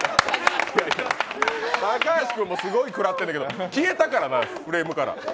高橋君もすごい食らってるけど消えたからな、フレームから。